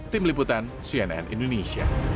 tim liputan cnn indonesia